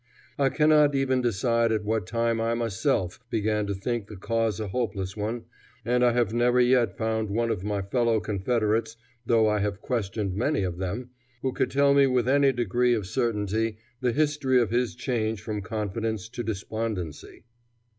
I cannot even decide at what time I myself began to think the cause a hopeless one, and I have never yet found one of my fellow Confederates, though I have questioned many of them, who could tell me with any degree of certainty the history of his change from confidence to despondency.